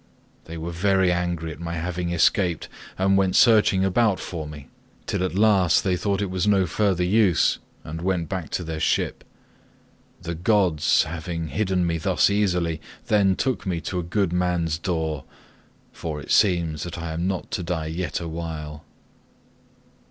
They were very angry at my having escaped and went searching about for me, till at last they thought it was no further use and went back to their ship. The gods, having hidden me thus easily, then took me to a good man's door—for it seems that I am not to die yet awhile."